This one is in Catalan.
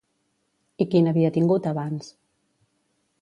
I quin havia tingut abans?